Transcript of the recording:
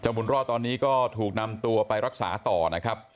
บุญรอดตอนนี้ก็ถูกนำตัวไปรักษาต่อนะครับ